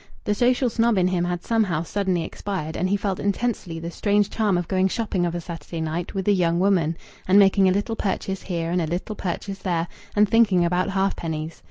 The social snob in him had somehow suddenly expired, and he felt intensely the strange charm of going shopping of a Saturday night with a young woman, and making a little purchase here and a little purchase there, and thinking about halfpennies.